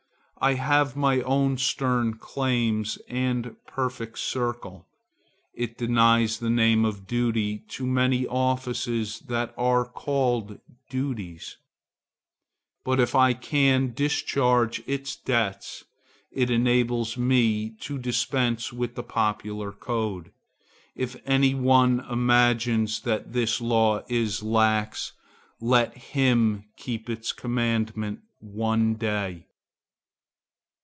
I have my own stern claims and perfect circle. It denies the name of duty to many offices that are called duties. But if I can discharge its debts it enables me to dispense with the popular code. If any one imagines that this law is lax, let him keep its commandment one day.